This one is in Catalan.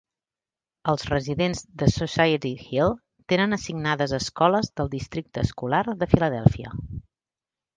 Els residents de Society Hill tenen assignades escoles del Districte Escolar de Filadèlfia.